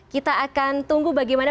kita akan tunggu bagaimana